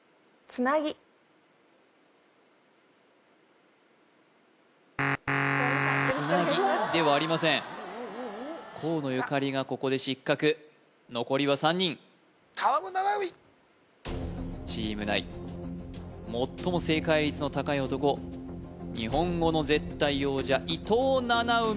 つなぎではありません河野ゆかりがここで失格残りは３人チーム内最も正解率の高い男日本語の絶対王者伊藤七海